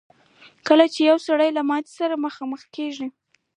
کله چې يو سړی له ماتې سره مخ کېږي.